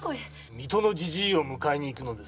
水戸のじじいを迎えに行くのです。